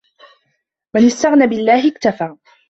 مَنْ اسْتَغْنَى بِاَللَّهِ اكْتَفَى